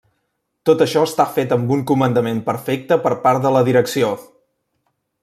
Tot això està fet amb un comandament perfecte per part de la direcció.